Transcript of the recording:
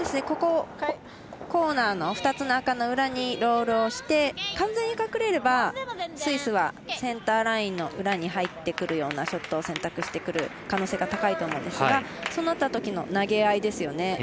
コーナーの２つの赤の裏にロールをして、完全に隠れればスイスはセンターラインの裏に入ってくるようなショットを選択してくる可能性が高いと思うんですがそうなったときの投げ合いですよね。